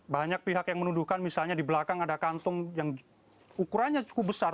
banyak pihak yang menuduhkan misalnya di belakang ada kantong yang ukurannya cukup besar